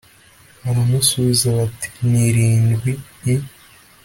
baramusubiza bati “ni irindwi”i